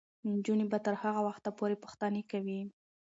نجونې به تر هغه وخته پورې پوښتنې کوي.